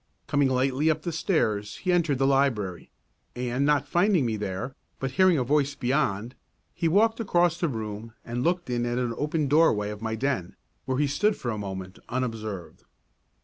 Coming lightly up the stairs he entered the library, and not finding me there, but hearing a voice beyond, he walked across the room and looked in at the open doorway of my den, where he stood for a moment, unobserved.